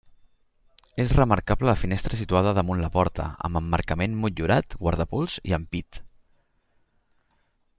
És remarcable la finestra situada damunt la porta, amb emmarcament motllurat, guardapols i ampit.